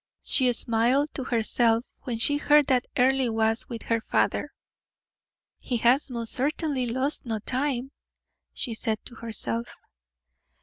She smiled to herself when she heard that Earle was with her father. "He has most certainly lost no time," she said to herself.